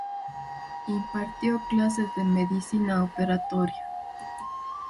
Impartió clases de medicina operatoria.